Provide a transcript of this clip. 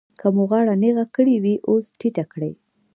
که مو غاړه نېغه کړې وي اوس ټیټه کړئ.